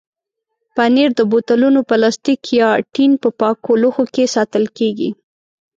پنېر د بوتلونو، پلاستیک یا ټین په پاکو لوښو کې ساتل کېږي.